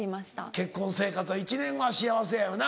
結婚生活は１年は幸せやよな？